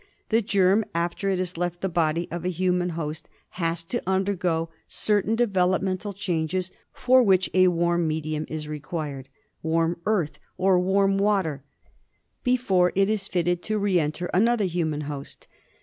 The germ after it has left the body of a human host has to undergo certain developmental changes for which a warm medium is required — warm earth or warm water — before it is fitted to re enter another human host.